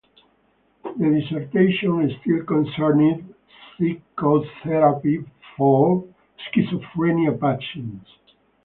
The dissertation still concerned psychotherapy for Schizophrenia patients.